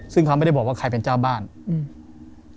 ซึ่งเขาไม่ได้บอกว่าใครเป็นเจ้าบ้านอืม